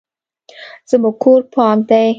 زموږ کور پاک دی